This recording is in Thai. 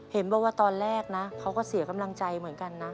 เห็นบอกว่าตอนแรกนะเขาก็เสียกำลังใจเหมือนกันนะ